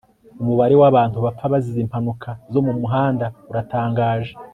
umubare wabantu bapfa bazize impanuka zo mumuhanda uratangaje